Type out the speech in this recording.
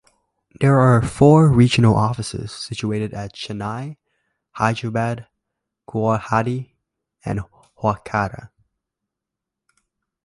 There are four regional offices situated at Chennai, Hyderabad, Guwahati and Kolkata.